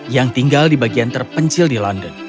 yang tinggal di bagian terpencil di london